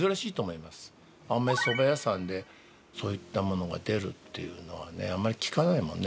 あんまりそば屋さんでそういったものが出るっていうのはねあんまり聞かないもんね。